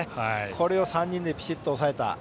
これを３人でピシッと抑えた。